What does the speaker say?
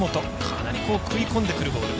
かなり食い込んでくるボール。